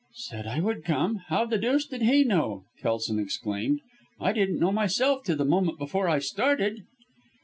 "Said I would come! How the deuce did he know?" Kelson exclaimed. "I didn't know myself till the moment before I started."